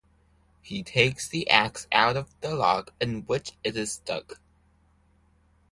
He takes the axe out of the log in which it is stuck.